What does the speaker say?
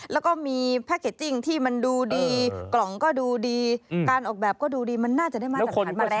แล้วก็มีแพ็คเกจจิ้งที่มันดูดีกล่องก็ดูดีการออกแบบก็ดูดีมันน่าจะได้มาตรฐานมาแล้ว